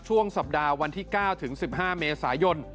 ช่วงสัปดาห์วันที่๙ถึง๑๕เมษายน